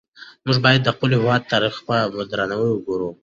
موږ باید د خپل هېواد تاریخ ته په درناوي وګورو.